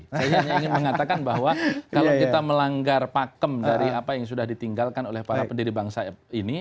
saya hanya ingin mengatakan bahwa kalau kita melanggar pakem dari apa yang sudah ditinggalkan oleh para pendiri bangsa ini